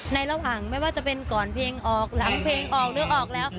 ในระหว่างไม่ว่าจะเป็นก่อนเพลงออกหลังเพลงออกหรือออกแล้ว